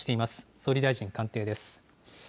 総理大臣官邸です。